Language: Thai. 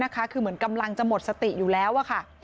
คือเหมือนกำลังจะหมดสติอยู่แล้วค่ะ